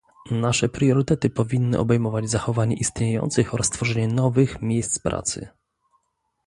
Nasze priorytety powinny obejmować zachowanie istniejących oraz tworzenie nowych miejsc pracy